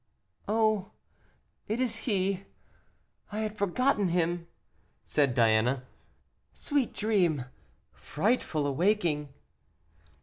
"Oh! it is he! I had forgotten him," said Diana. "Sweet dream, frightful awaking."